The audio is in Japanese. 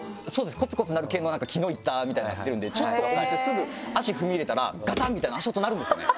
コツコツ鳴る系の木の板みたいになってるんでちょっとお店すぐ足踏み入れたらガタン！みたいな足音鳴るんですね。